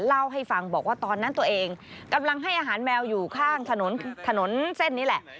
เล่าให้ฟังบอกว่าตอนนั้นตัวเองกำลังให้อาหารแมวอยู่ข้างถนนถนนเส้นนี้แหละ